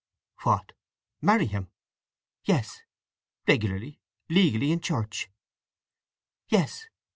"What—marry him?" "Yes." "Regularly—legally—in church?" "Yes.